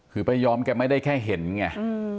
คือป้าย้อมแกไม่ได้แค่เห็นไง